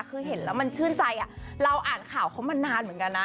คือเห็นแล้วมันชื่นใจเราอ่านข่าวเขามานานเหมือนกันนะ